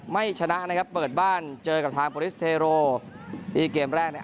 ไม่ชนะนะครับเปิดบ้านเจอกับทางที่เกมแรกเนี่ย